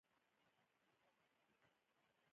په زړه کې وېرېدم.